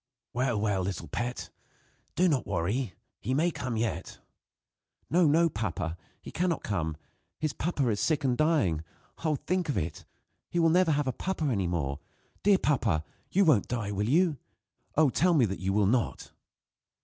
"Well, well, little pet, do not worry. He may come yet." "No, no, papa, he cannot come. His papa is sick, and is dying! Oh! think of it! He will never have a papa any more. Dear papa! you won't die, will you? Oh, tell me that you will not!"